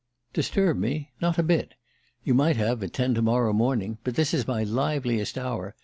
"Disturb me? Not a bit. You might have, at ten to morrow morning ... but this is my liveliest hour